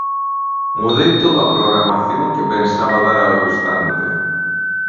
Mudei toda a programación que pensaba dar ao instante.